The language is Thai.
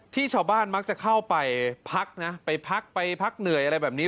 ชาวบ้านมักจะเข้าไปพักนะไปพักไปพักเหนื่อยอะไรแบบนี้